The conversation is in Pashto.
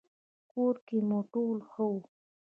کور کې مو ټول ښه وو؟